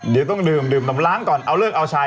เดี๋ยวต้องดื่มดื่มน้ำล้างก่อนเอาเลิกเอาชาย